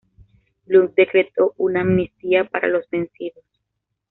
Blount decretó una amnistía para los vencidos.